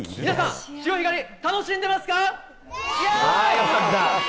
皆さん、潮干狩り楽しんでますか？